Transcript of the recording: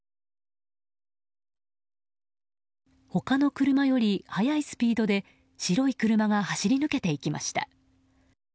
他の車より速いスピードで白い車が走り抜けていきました。